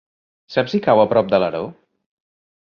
Saps si cau a prop d'Alaró?